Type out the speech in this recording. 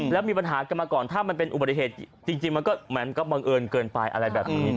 แล้วมีปัญหากันมาก่อนถ้ามันเป็นอุบัติเหตุจริงมันก็เหมือนกับบังเอิญเกินไปอะไรแบบนี้